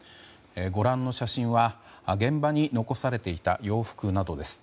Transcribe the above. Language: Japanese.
ご覧の写真は現場に残されていた洋服などです。